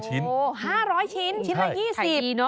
๕๐๐ชิ้นชิ้นละ๒๐บาท